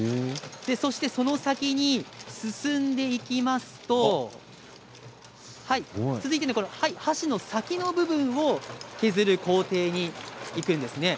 そしてその先に進んでいきますと続いて箸の先の部分を削る工程にいくんです。